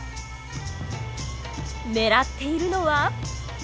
狙っているのは。